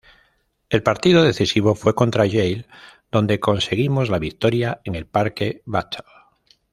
El partido decisivo fue contra Yale, donde conseguimos la victoria en el Parque Batlle.